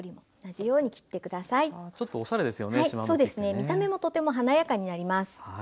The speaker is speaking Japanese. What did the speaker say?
見た目もとても華やかになります。